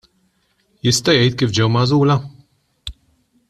Jista' jgħid kif ġew magħżula?